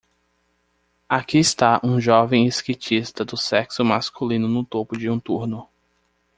Aqui está um jovem skatista do sexo masculino no topo de um turno